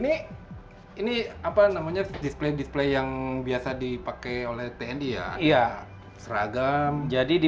ini ini apa namanya display display yang biasa dipakai oleh tni ya iya seragam jadi di